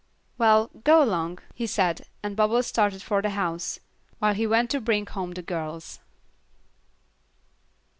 "Well, go along," he said, and Bubbles started for the house, while he went to bring home the girls.